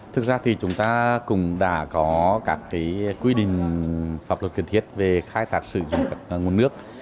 thực ra thì chúng ta cũng đã có các quy định pháp luật kiên thiết về khai thác sử dụng các nguồn nước